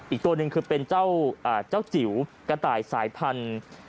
อีกตัวหนึ่งคือเป็นเจ้าจิ๋วกระต่ายสายพันธุ์